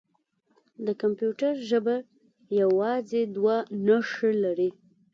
د کمپیوټر ژبه یوازې دوه نښې لري.